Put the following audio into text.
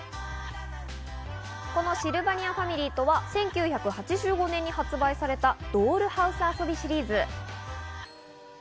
このシルバニアファミリーとは１９８５年に発売されたドールハウス遊びシリーズ。